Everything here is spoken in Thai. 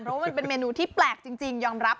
เพราะว่ามันเป็นเมนูที่แปลกจริงยอมรับ